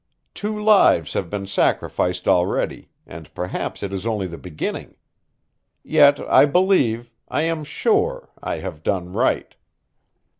Two lives have been sacrificed already, and perhaps it is only the beginning. Yet I believe I am sure I have done right."